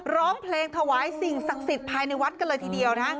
ร้องเพลงถวายสิ่งศักดิ์สิทธิ์ภายในวัดกันเลยทีเดียวนะฮะ